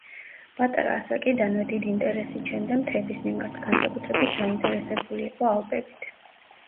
პატარა ასაკიდანვე დიდ ინტერეს იჩენდა მთების მიმართ, განსაკუთრებით დაინტერესებული იყო ალპებით.